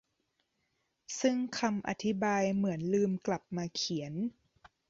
ซึ่งคำอธิบายเหมือนลืมกลับมาเขียน